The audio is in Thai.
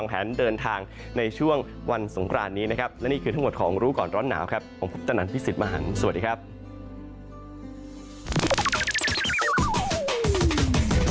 โปรดติดตามตอนต่อไป